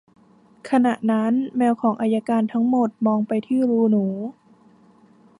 ขณะนั้น แมวของอัยการทั้งหมดมองไปที่รูหนู